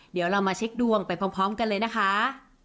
เดี๋ยวเรามาเช็คดวงไปพร้อมกันเลยนะคะ